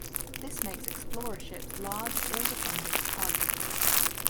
This makes Explorer ships large, ill-defended targets.